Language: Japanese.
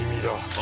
あ！